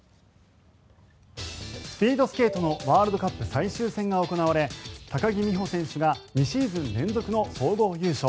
スピードスケートのワールドカップ最終戦が行われ高木美帆選手が２シーズン連続の総合優勝。